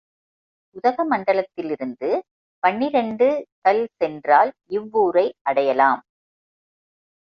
உதகமண்டலத்திலிருந்து பனிரண்டு கல் சென்றால் இவ்வூரை அடையலாம்.